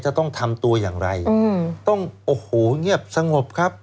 จะต้องทำตัวอย่างไรต้องโอ้โหเงียบสงบครับ